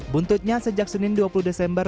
buntutnya sejak senin dua puluh desember